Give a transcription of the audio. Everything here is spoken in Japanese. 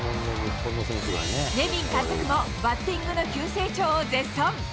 ネビン監督もバッティングの急成長を絶賛。